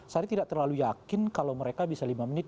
saya tidak terlalu yakin kalau mereka bisa lima menit